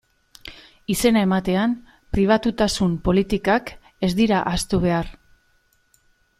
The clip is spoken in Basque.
Izena ematean, pribatutasun politikak ez dira ahaztu behar.